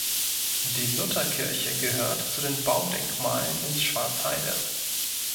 Die Lutherkirche gehört zu den Baudenkmalen in Schwarzheide.